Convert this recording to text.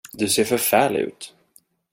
Du ser förfärlig ut.